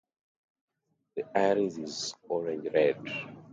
The iris is orange red.